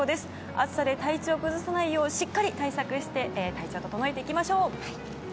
暑さで体調を崩さないようしっかり対策して体調を整えていきましょう。